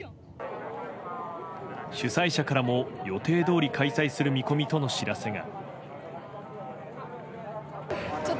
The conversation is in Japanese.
主催者からも、予定どおり開催する見込みとの知らせが。